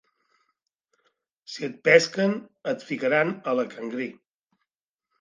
Si et pesquen et ficaran a la cangrí.